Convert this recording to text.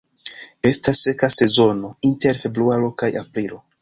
Estas seka sezono inter februaro kaj aprilo.